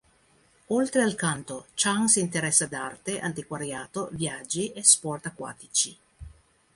Oltre al canto, Chang si interessa di arte, antiquariato, viaggi e sport acquatici.